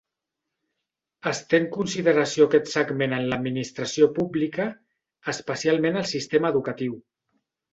Es té en consideració aquest segment en l'administració pública, especialment al sistema educatiu.